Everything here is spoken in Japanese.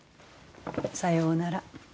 さようなら。